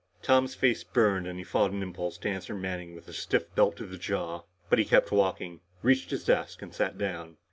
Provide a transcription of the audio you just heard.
Tom's face burned and he fought an impulse to answer Manning with a stiff belt in the jaw. But he kept walking, reached his desk and sat down.